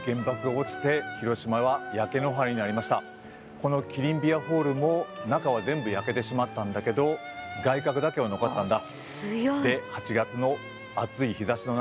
このキリンビアホールも中は全部焼けてしまったんだけど外郭だけは残ったんだ。